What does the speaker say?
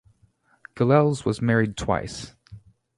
Gilels was married twice.